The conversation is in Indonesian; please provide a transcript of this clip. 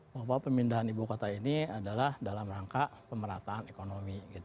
bahwa pemindahan ibu kota ini adalah dalam rangka pemerataan ekonomi